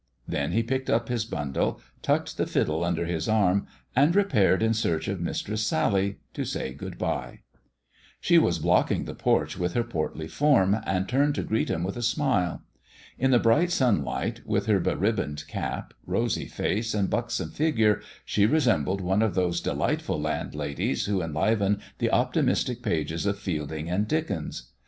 Then he picked up his bundle, tucked the fiddle und^ his arm, and repaired in search of Mistress Sally, to say good bye. She was blocking the porch with her portly form, and tiu*ned to greet him with a smile. In the bright sunlight, with her be ribboned cap, rosy face, and buxom figure, she resembled one of those delightful landladies who enliven the optimistic pages of Fielding and Dickens.